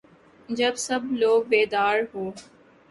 جب سب لوگ بیدار ہو